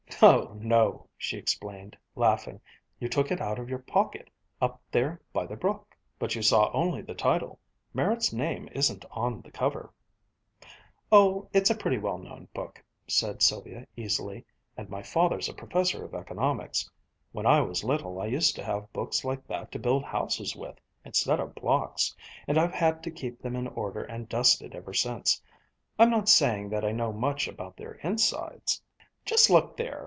"No, no," she explained, laughing. "You took it out of your pocket up there by the brook." "But you saw only the title. Merritt's name isn't on the cover." "Oh, it's a pretty well known book," said Sylvia easily. "And my father's a professor of Economics. When I was little I used to have books like that to build houses with, instead of blocks. And I've had to keep them in order and dusted ever since. I'm not saying that I know much about their insides." "Just look there!"